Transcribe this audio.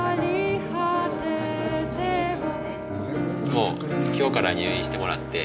もう今日から入院してもらって。